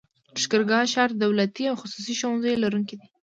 لښکرګاه ښار د دولتي او خصوصي ښوونځيو لرونکی دی.